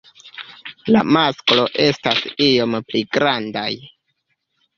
La masklo estas iom pli grandaj.